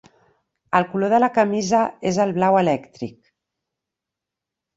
El color de la camisa és el blau elèctric.